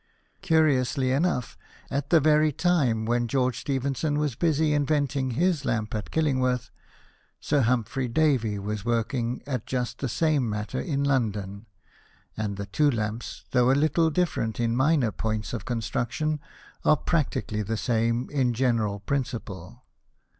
Curiously enough, at the very time when George Stephenson was busy inventing his lamp at Killingworth, Sir Humphrey Davy was working at just the same matter in London ; and the two lamps, though a little different in miner points of construction, are practically the same in general principle.